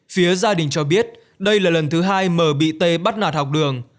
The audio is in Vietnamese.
phía gia đình cho biết đây là lần thứ hai m bị tê bắt nạt học đường